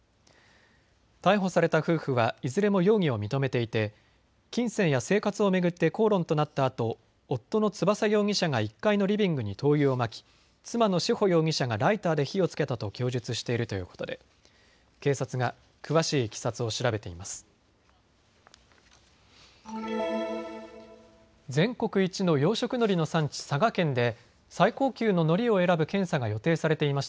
逮捕された夫婦はいずれも容疑を認めていて金銭や生活を巡って口論となったあと夫の翼容疑者が１階のリビングに灯油をまき、妻の志保容疑者がライターで火をつけたと供述しているということで警察が詳しいいきさつを調べています。